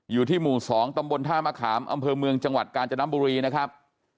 อยู่ที่หมู่๒ตำบลท่ามะขามอำเภอเมืองจังหวัดกาญจนบุรีนะครับ